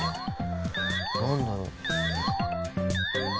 何だろう？